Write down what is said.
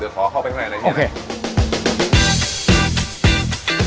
เดี๋ยวขอเข้าไปข้างในในห้อง